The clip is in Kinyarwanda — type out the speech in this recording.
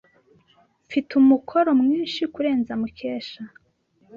Mfite umukoro mwinshi kurenza Mukesha.